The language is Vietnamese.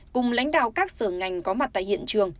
cùng lãnh đạo các sở ngành có mặt tại hiện trường